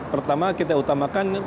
pertama kita utamakan